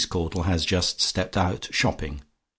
CAUDLE HAS "JUST STEPPED OUT, SHOPPING."